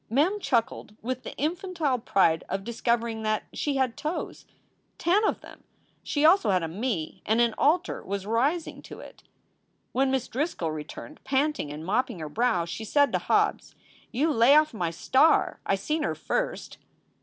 Mem chuckled with the infantile pride of discovering that she had toes, ten of them! She also had a Me, and an altar was rising to it. When Miss Driscoll returned, panting and mopping her brow, she said to Mr. Hobbes: "You lay offn my star! I seen her first."